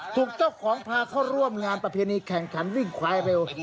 ถูกเจ้าของพาเข้าร่วมงานประเพณีแข่งขันวิ่งควายเร็ว